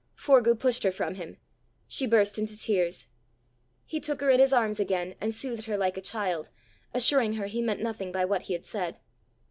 Forgue pushed her from him. She burst into tears. He took her in his arms again, and soothed her like a child, assuring her he meant nothing by what he had said.